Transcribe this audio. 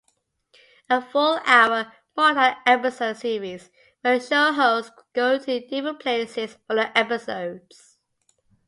A full-hour, multi-episode series, where show hosts go to different places for the episodes.